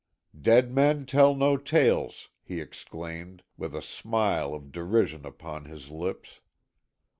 "Dead men tell no tales," he exclaimed, with a smile of derision upon his lips.